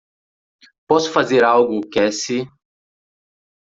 Posso fazer algo Cassie?